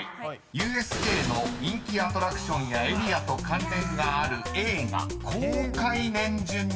ＵＳＪの人気アトラクションやエリアと関連がある映画公開年順に積み上げろ］